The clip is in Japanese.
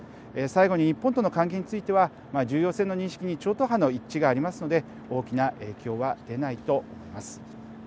最後に日本との関係については重要性の認識に超党派の一致がありますので大きな影響は出ないと思います。